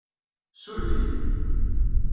Suref-iyi...